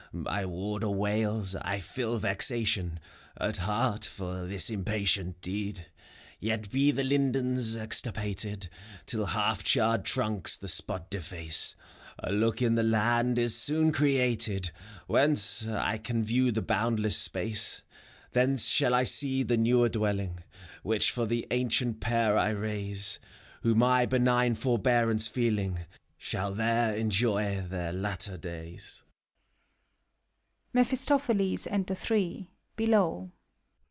My warder wails: I feel vexation At heart, for this impatient deed. Yet be the lindens extirpated, Till half charred trunks the spot deface, A look in the land is soon created, Whence I can view the boundless space. Thence shall I see the newer dwelling Which for the ancient pair I raise. Who, my benign forbearance feeling, Shall there enjoy their latter days.